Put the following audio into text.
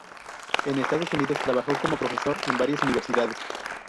En Estados Unidos trabajó como profesor en varias universidades.